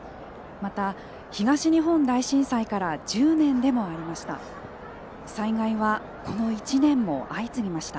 また、東日本大震災から１０年でもありました。